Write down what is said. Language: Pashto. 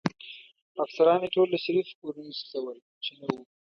افسران يې ټول له شریفو کورنیو څخه ول، چې نه و.